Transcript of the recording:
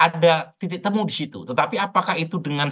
jadi ada ada titik temu disitu tetapi apakah itu dengan